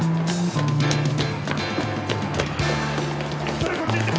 ２人こっち行って！